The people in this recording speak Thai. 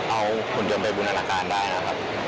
เอาผลยนต์ไปบูรณาการได้นะครับ